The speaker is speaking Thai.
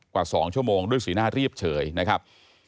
กว่า๒ชั่วโมงด้วยสีหน้าเรียบเฉยนะครับ